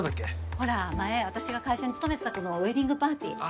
ほら前私が会社に勤めてた時の子のウェディングパーティーあ